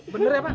bener ya pak